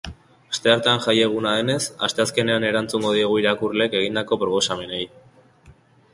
Asteartea jaieguna denez asteazkenean erantzungo diegu irakurleek egindako proposamenei.